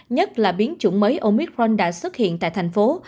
nhất là biến chủng mới omitron đã xuất hiện tại thành phố